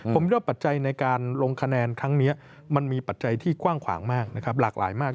ผมว่าปัจจัยในการลงคะแนนครั้งนี้มันมีปัจจัยที่กว้างขวางมากนะครับหลากหลายมาก